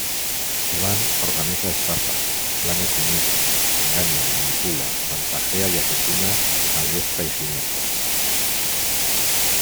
Iván organiza estafas, planes siniestros, engaña, manipula, chantajea y asesina a diestra y siniestra.